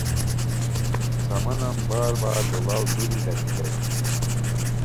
سامانن بار بار لوڑاؤ دُوری لاکھیتانی